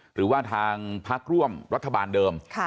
หรือว่าทางพักร่วมรัฐบาลเดิม